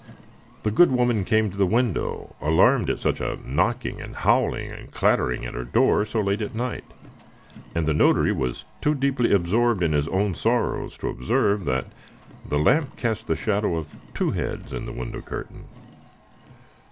The good woman came to the window, alarmed at such a knocking, and howling, and clattering at her door so late at night; and the notary was too deeply absorbed in his own sorrows to observe that the lamp cast the shadow of two heads on the window curtain.